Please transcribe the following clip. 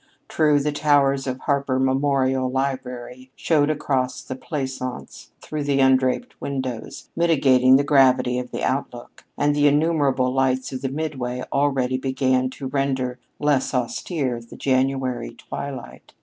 True, the towers of Harper Memorial Library showed across the Plaisance through the undraped windows, mitigating the gravity of the outlook, and the innumerable lights of the Midway already began to render less austere the January twilight.